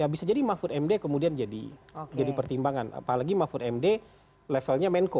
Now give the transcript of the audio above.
bisa jadi mahfud md kemudian jadi pertimbangan apalagi mahfud md levelnya menko